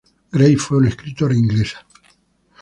Grey, fue una escritora inglesa.